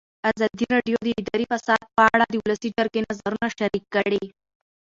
ازادي راډیو د اداري فساد په اړه د ولسي جرګې نظرونه شریک کړي.